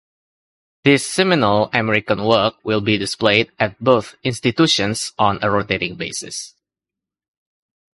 This seminal American work will be displayed at both institutions on a rotating basis.